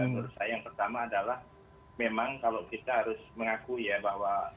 menurut saya yang pertama adalah memang kalau kita harus mengakui ya bahwa